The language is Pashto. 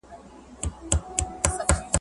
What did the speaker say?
هغوی له تېر کال راهیسې په دې لوبډله کې دي.